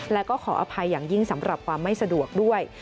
และก็ขออภัยอย่างยิ่งสำหรับความไม่สะดวกด้วย